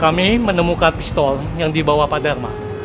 kami menemukan pistol yang dibawa pak dharma